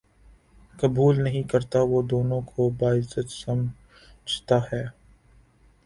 قبول نہیں کرتا وہ دونوں کو باعزت سمجھتا ہے